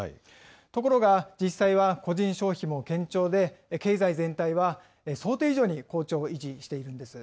ところが、実際は個人消費も堅調で、経済全体は想定以上に好調を維持しているんです。